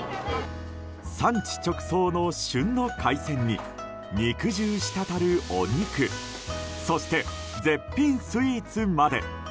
産地直送の旬の海鮮に肉汁したたるお肉そして、絶品スイーツまで。